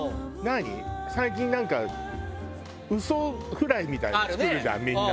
最近なんか嘘フライみたいなの作るじゃんみんな。